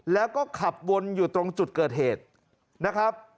แล้วก็ขับวนอยู่ตรงจุดเกิดเหตุนะครับ